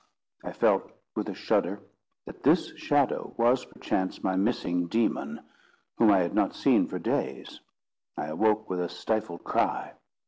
I felt with a shudder that this shadow was perchance my missing demon, whom I had not seen for days. I awoke with a stifled cry.